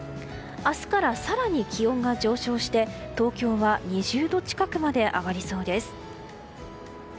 明日から更に気温が上昇して東京は２０度近くまで上がりそうです。